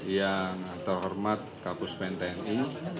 yang terhormat kapus pen tni